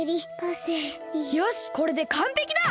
よしこれでかんぺきだ！